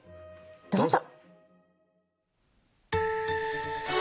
どうぞ。